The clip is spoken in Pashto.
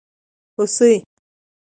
🦌 هوسي